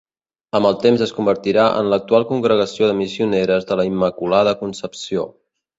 Amb el temps es convertirà en l'actual congregació de Missioneres de la Immaculada Concepció.